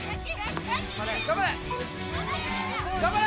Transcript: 頑張れ！